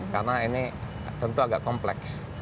karena ini tentu agak kompleks